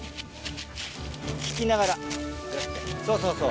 引きながらそうそうそう。